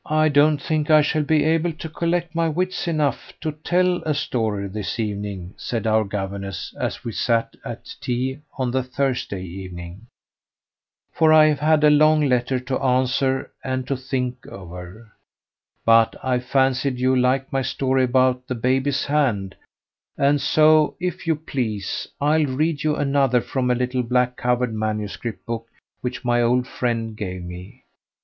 "I don't think I shall be able to collect my wits enough to tell a story this evening," said our governess as we sat at tea on the Thursday evening, "for I've had a long letter to answer and to think over; but I fancied you liked my story about the Baby's Hand, and so if you please I'll read you another from a little black covered manuscript book which my old friend gave me.